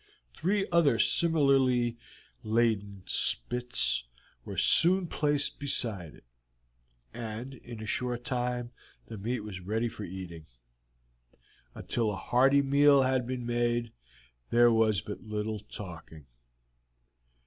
Three other similarly laden spits were soon placed beside it, and in a short time the meat was ready for eating. Until a hearty meal had been made there was but little talking.